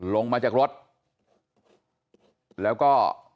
ลงมาจากรถแล้วก็